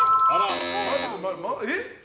えっ？